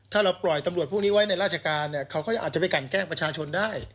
ถ้าเราปล่อยตำรวจพวกนี้ไว้ในราชการเนี่ยเขาก็อาจจะไปกันแกล้งประชาชนได้